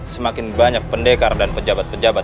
semakin banyak pendekar dan pejabat pejabat